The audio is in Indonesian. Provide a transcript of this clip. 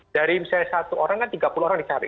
dari misalnya satu orang kan tiga puluh orang dicari